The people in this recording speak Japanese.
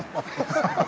ハハハハ。